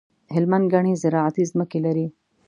هلمند ګڼي زراعتي ځمکي لري.